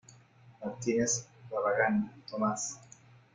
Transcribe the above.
Martínez Barragán, Tomás.